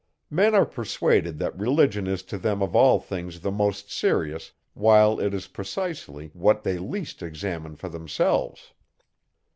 Men are persuaded, that religion is to them of all things the most serious, while it is precisely what they least examine for themselves.